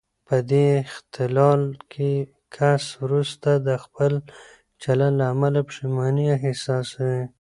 په دې اختلال کې کس وروسته د خپل چلن له امله پښېماني احساسوي.